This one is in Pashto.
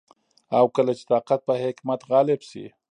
او کله چي طاقت په حکمت غالب سي